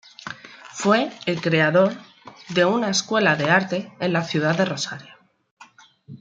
Fue el creador de una Escuela de Arte en la ciudad de Rosario.